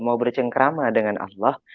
mau bercengkrama dengan allah